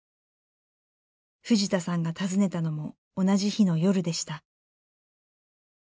藤田さんが訪ねたのも同じ日の夜でした。